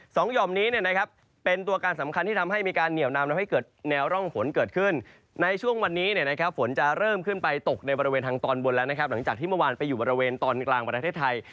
หย่อมนี้เนี่ยนะครับเป็นตัวการสำคัญที่ทำให้มีการเหนียวนำทำให้เกิดแนวร่องฝนเกิดขึ้นในช่วงวันนี้เนี่ยนะครับฝนจะเริ่มขึ้นไปตกในบริเวณทางตอนบนแล้วนะครับหลังจากที่เมื่อวานไปอยู่บริเวณตอนกลางประเทศไทย